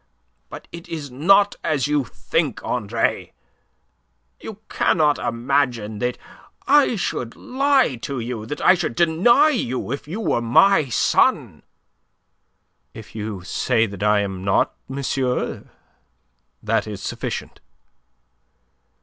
But it is not as you think, Andre. You cannot imagine that I should lie to you, that I should deny you if you were my son?" "If you say that I am not, monsieur, that is sufficient."